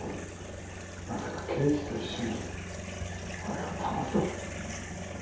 まさか刑事と一緒に俺をだますとは。